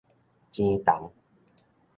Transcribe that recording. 錢筒